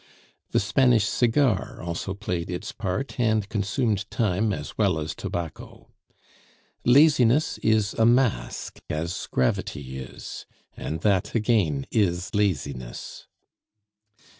The Spanish cigar also played its part, and consumed time as well as tobacco. Laziness is a mask as gravity is, and that again is laziness.